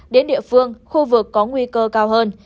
đến địa phương khu vực có nguy cơ cao hơn